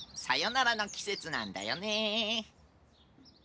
さよならのきせつなんだよね。